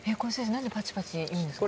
何でパチパチいうんですか？